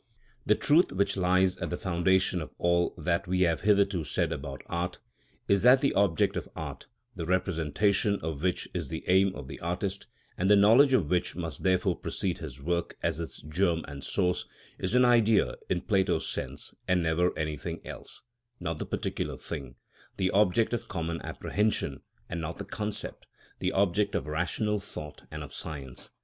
(56) § 49. The truth which lies at the foundation of all that we have hitherto said about art, is that the object of art, the representation of which is the aim of the artist, and the knowledge of which must therefore precede his work as its germ and source, is an Idea in Plato's sense, and never anything else; not the particular thing, the object of common apprehension, and not the concept, the object of rational thought and of science.